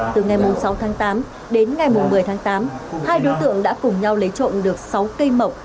từ ngày sáu tháng tám đến ngày một mươi tháng tám hai đối tượng đã cùng nhau lấy trộm được sáu cây mộc